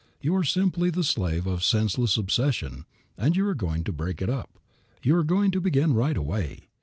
You are simply the slave of a senseless obsession and you are going to break it up. You are going to begin right away.